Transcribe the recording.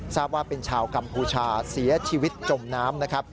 ทราบว่าเป็นชาวกัมพูชาเสียชีวิตจมน้ำนะครับ